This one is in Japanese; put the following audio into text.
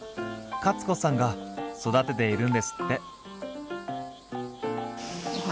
カツ子さんが育てているんですって。